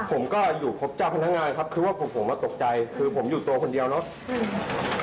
ผมก็อยู่พบเจ้าพนักงานครับคือว่าผมผมอ่ะตกใจคือผมอยู่ตัวคนเดียวเนอะอืม